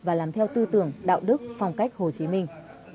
và làm theo tư tưởng đạo đức phong cách hồ chí minh